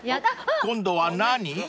［今度は何？］